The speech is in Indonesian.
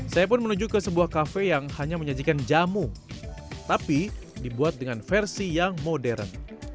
saya pun menuju ke sebuah kafe yang hanya menyajikan jamu tapi dibuat dengan versi yang modern